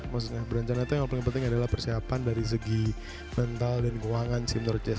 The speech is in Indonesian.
maksudnya berencana itu yang paling penting adalah persiapan dari segi mental dan keuangan sih menurut saya